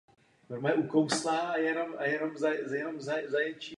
Je to první velká aplikace postavená na vlastní platformě.